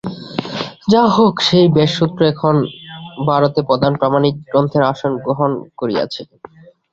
যাহা হউক সেই ব্যাসসূত্র এখন ভারতে প্রধান প্রামাণিক গ্রন্থের আসন গ্রহণ করিয়াছে।